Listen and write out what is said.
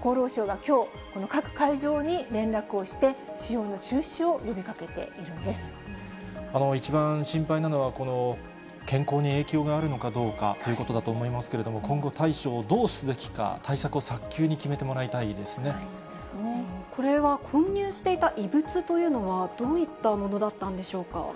厚労省はきょう、各会場に連絡をして、使用の中止を呼びかけてい一番心配なのは、健康に影響があるのかどうかということだと思うんですけど、今後、対処をどうすべきか、対策を早急に決めてもらいたいでこれは混入していた異物というのは、どういったものだったんでしょうか。